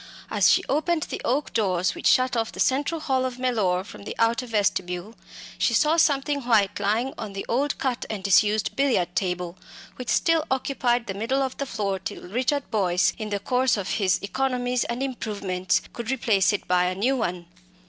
As she opened the oak doors which shut off the central hall of Mellor from the outer vestibule, she saw something white lying on the old cut and disused billiard table, which still occupied the middle of the floor till Richard Boyce, in the course of his economies and improvements, could replace it by a new one.